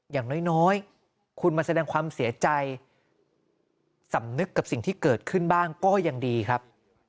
อย่างน้อยคุณมาแสดงความเสียใจสำนึกกับสิ่งที่เกิดขึ้นบ้างก็ยังดีครับ